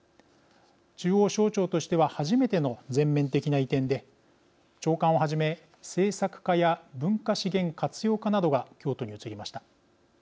中央省庁としては初めての全面的な移転で長官をはじめ、政策課や文化資源活用課などが京都に移りました。